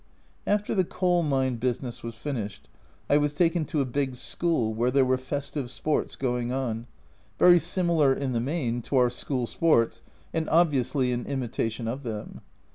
After the coal mine business was finished, I was taken to a big school where there were festive sports going on, very similar in the main to our school sports, and obviously in imitation of them.